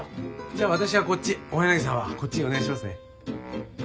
じゃあ私はこっち大柳さんはこっちお願いしますね。